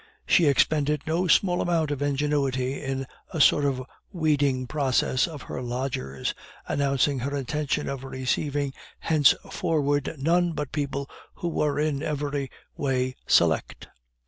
She expended no small amount of ingenuity in a sort of weeding process of her lodgers, announcing her intention of receiving henceforward none but people who were in every way select.